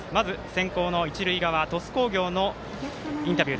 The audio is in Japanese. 先攻の一塁側鳥栖工業のインタビュー。